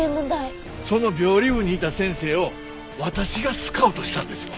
その病理部にいた先生を私がスカウトしたんですわ。